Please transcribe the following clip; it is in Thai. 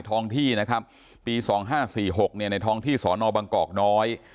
ที่นะครับปีสองห้าสี่หกเนี่ยในท้องที่สนบังกอกน้อย